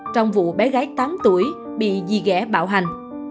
trong vụ bé gái tám tuổi bị dì ghẻ bạo hành